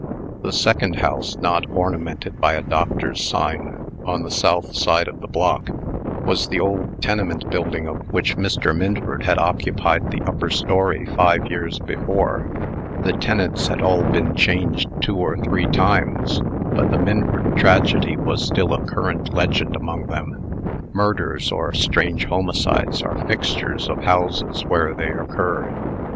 The second house not ornamented by a doctor's sign, on the south side of the block, was the old tenement building of which Mr. Minford had occupied the upper story, five years before. The tenants had all been changed two or three times; but the "Minford tragedy" was still a current legend among them. Murders, or strange homicides, are fixtures of houses where they occur.